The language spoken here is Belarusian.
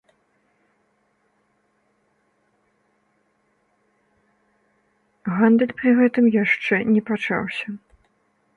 Гандаль пры гэтым яшчэ не пачаўся.